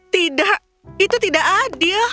tidak itu tidak adil